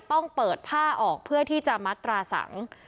ต้องเปิดผ้าออกเพื่อที่จะมัตราสัง